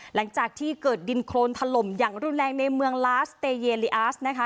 หลังจากที่เกิดดินโครนถล่มอย่างรุนแรงในเมืองลาสเตเยลิอาสนะคะ